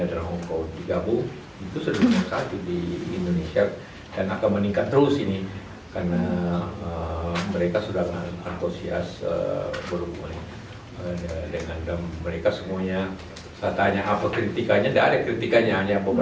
saya tanya apa kritikannya tidak ada kritikannya hanya beberapa perlu diperbaiki lagi dan sebagainya